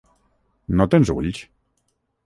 No tens ulls?